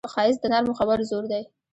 ښایست د نرمو خبرو زور دی